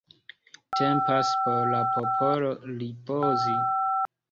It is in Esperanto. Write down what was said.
Tempas por la popolo ripozi.